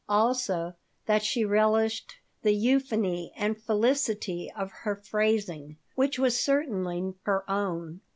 Also, that she relished the euphony and felicity of her phrasing, which was certainly her own.